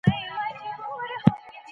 د ذهني ستړیا وروستی پړاو خاموشي دی.